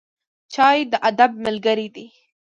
چای د ادب ملګری دی.